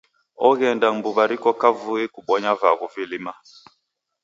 Oghenda mbuw'a riko kavui kubonya vaghu velima.